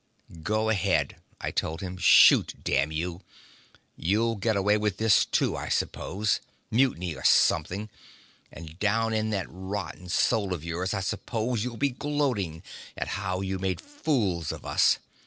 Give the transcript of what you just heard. "Go ahead," I told him. "Shoot, damn you! You'll get away with this, too, I suppose. Mutiny, or something. And down in that rotten soul of yours, I suppose you'll be gloating at how you made fools of us.